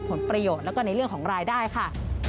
ผลประโยชน์แล้วก็ในเรื่องของรายได้ค่ะ